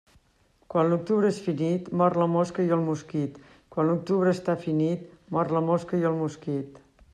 Quan l'octubre és finit, mor la mosca i el mosquit Quan l'octubre està finit, mor la mosca i el mosquit.